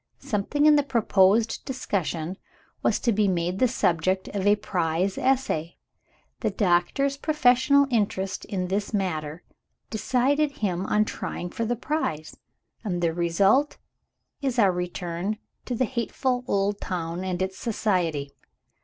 Something in the proposed discussion was to be made the subject of a prize essay. The doctor's professional interest in this matter decided him on trying for the prize and the result is our return to the hateful old town and its society.